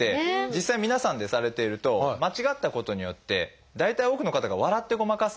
実際皆さんでされていると間違ったことによって大体多くの方が笑ってごまかす。